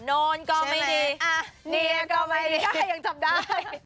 โน้นก็ไม่ดีเนียก็ไม่ได้ยังจับได้